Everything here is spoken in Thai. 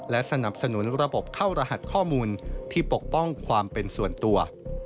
และสนับสนุนระบบเข้ารหัสข้อมูลที่ปกป้องความเป็นส่วนตัว